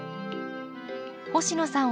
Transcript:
星野さん